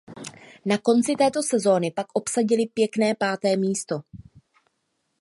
Na konci této sezóny pak obsadili pěkné páté místo.